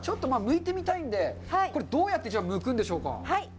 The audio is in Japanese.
ちょっとまあむいてみたいんで、これ、どうやってむくんでしょうか。